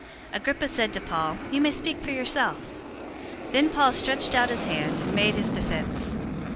026:001 Agrippa said to Paul, "You may speak for yourself." Then Paul stretched out his hand, and made his defense.